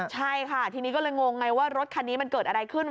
ใช่ค่ะทีนี้ก็เลยงงไงว่ารถคันนี้มันเกิดอะไรขึ้น